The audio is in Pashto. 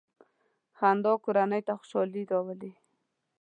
• خندا کورنۍ ته خوشحالي راولي.